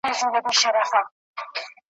وايي مات مو خاینان کړل اوس به تښتي تور مخونه ,